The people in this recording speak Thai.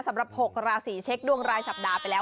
๖ราศีเช็คดวงรายสัปดาห์ไปแล้ว